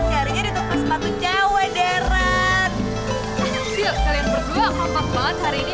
sisil kalian berdua gampang banget hari ini